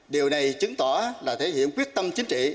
điều này chứng tỏ là thể hiện quyết tâm chính trị